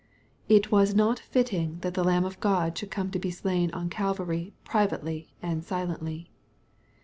It was not fitting that the Lamb of God should come to be slain on Calvary privately and silently.